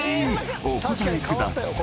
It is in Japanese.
お答えください］